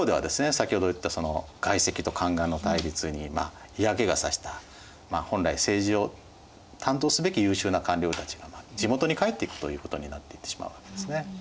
先ほど言った外戚と宦官の対立に嫌気が差した本来政治を担当すべき優秀な官僚たちが地元に帰っていくということになっていってしまうわけですね。